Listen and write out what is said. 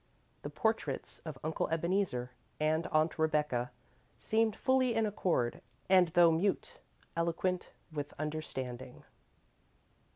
The portraits of Uncle Ebeneezer and Aunt Rebecca seemed fully in accord, and, though mute, eloquent with understanding.